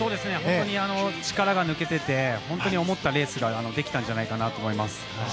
力が抜けていて思ったレースができたんじゃないかと思います。